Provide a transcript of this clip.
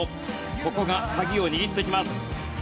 ここが鍵を握っていきます。